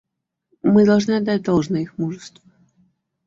Мы должны отдать должное их мужеству.